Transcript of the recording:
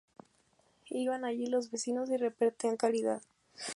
Iban allí los vecinos y repartían caridad.